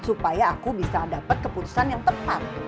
supaya aku bisa dapat keputusan yang tepat